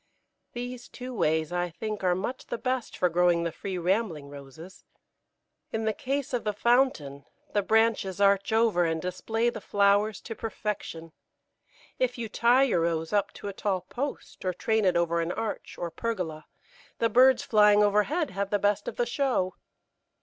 These two ways I think are much the best for growing the free, rambling Roses. In the case of the fountain, the branches arch over and display the flowers to perfection; if you tie your Rose up to a tall post or train it over an arch or pergola, the birds flying overhead have the best of the show.